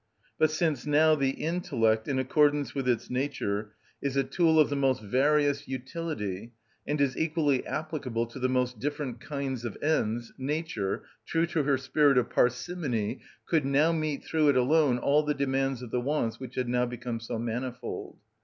But since now the intellect, in accordance with its nature, is a tool of the most various utility, and is equally applicable to the most different kinds of ends, nature, true to her spirit of parsimony, could now meet through it alone all the demands of the wants which had now become so manifold.